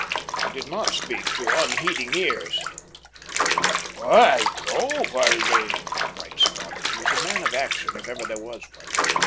I did not speak to unheeding ears. "By Jove, Haldane!" cried Stoddart, who was a man of action if ever there was one.